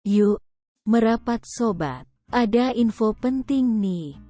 yuk merapat sobat ada info penting nih